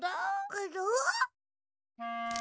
あら？